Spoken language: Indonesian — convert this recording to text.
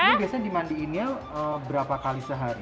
ini biasanya dimandiinnya berapa kali sehari